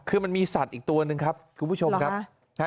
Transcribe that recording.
คือมันมีสัตว์อีกตัวหนึ่งครับคุณผู้ชมครับนะฮะ